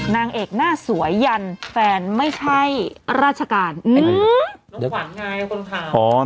นางเอกหน้าสวยยันแฟนไม่ใช่ราชการอืมน้องขวานไงคนข่าวอ๋อ